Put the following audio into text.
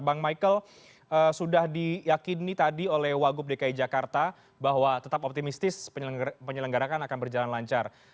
bang michael sudah diyakini tadi oleh wagub dki jakarta bahwa tetap optimistis penyelenggarakan akan berjalan lancar